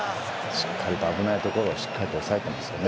しっかりと危ないところをしっかりと抑えてますよね。